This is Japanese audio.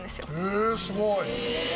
へぇすごい。